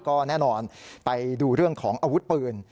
ก็แน่นอนไปดูเรื่องของอาวุธปืน